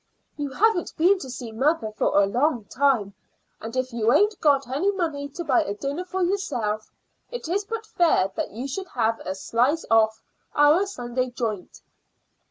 "You haven't been to see mother for a long time, and if you ain't got any money to buy a dinner for yourself, it is but fair you should have a slice off our Sunday joint."